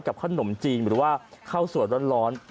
กับข้าวหนมจีนหรือว่าข้าวสวดร้อน